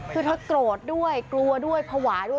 คือเธอโกรธด้วยกลัวด้วยภาวะด้วย